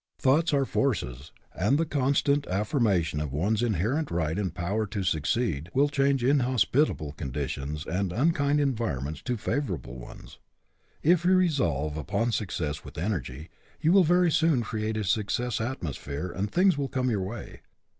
Thoughts are forces, and the constant af firmation of one's inherent right and power to succeed will change inhospitable conditions and unkind environments to favorable onea. If you resolve upon success with energy, you will very soon create a success atmosphere and things will come your way.